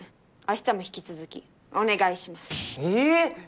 あしたも引き続きお願いしますええー